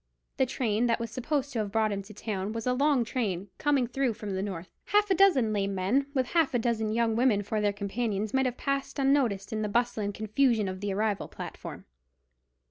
The train that was supposed to have brought him to town was a long train, coming through from the north. Half a dozen lame men with half a dozen young women for their companions might have passed unnoticed in the bustle and confusion of the arrival platform.